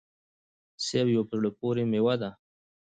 سيب يوه په زړه پوري ميوه ده